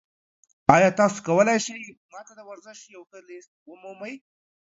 ایا تاسو کولی شئ ما ته د ورزش یو ښه لیست ومومئ؟